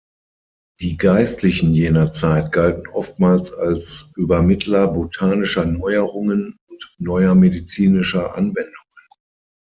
Die Geistlichen jener Zeit galten oftmals als Übermittler botanischer Neuerungen und neuer medizinischer Anwendungen.